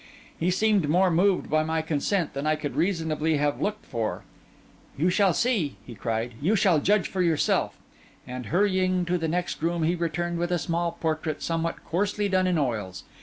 He seemed more moved by my consent than I could reasonably have looked for. 'You shall see,' he cried; 'you shall judge for yourself.' And hurrying to the next room he returned with a small portrait somewhat coarsely done in oils.